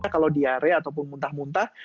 kalau diare ataupun muntah muntah